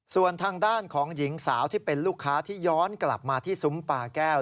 ส่วนทางด้านของหญิงสาวที่เป็นลูกค้าที่ย้อนกลับมาที่ซุ้มปาแก้ว